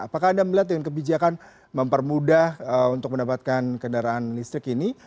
apakah anda melihat dengan kebijakan mempermudah untuk mendapatkan kendaraan listrik ini